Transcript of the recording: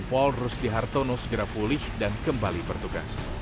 jempol rustihartono segera pulih dan kembali bertugas